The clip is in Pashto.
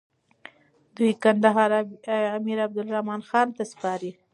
دوی کندهار امير عبدالرحمن خان ته سپاري.